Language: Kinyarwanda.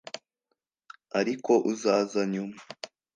ariko uzaza nyuma